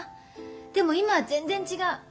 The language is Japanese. でも今は全然違う。